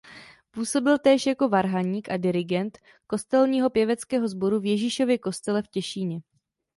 Působil též jako varhaník a dirigent kostelního pěveckého sboru v Ježíšově kostele v Těšíně.